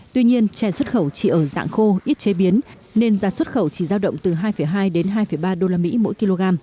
tuy nhiên chè xuất khẩu chỉ ở dạng khô ít chế biến nên giá xuất khẩu chỉ giao động từ hai hai đến hai ba usd mỗi kg